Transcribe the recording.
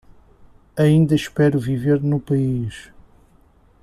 Ainda espero viver no país